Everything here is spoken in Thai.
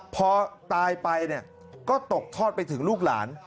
พอตายไปเนี่ยก็ตกทอดไปถึงลูกหลาน